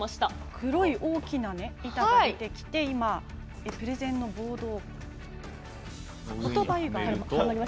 黒い大きな板が出てきてプレゼンのボードを。